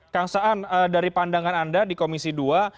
kang saan dari pandangan anda di komisi dua